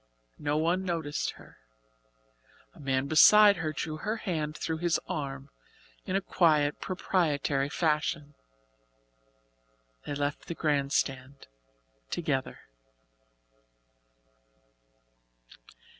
No one noticed her. A man beside her drew her hand through his arm in a quiet proprietary fashion. They left the grand stand together.